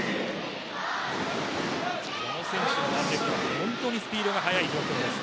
この選手のワンレッグは本当にスピードが速いです。